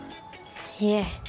いえ